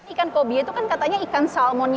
ikan kobia itu kan katanya ikan salmonnya